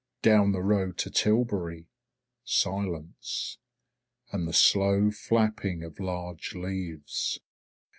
Down the road to Tilbury, silence and the slow flapping of large leaves.